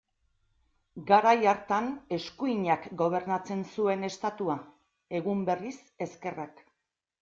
Garai hartan eskuinak gobernatzen zuen Estatuan, egun berriz, ezkerrak.